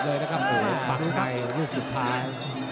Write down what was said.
ปังไจลูกสุดท้าย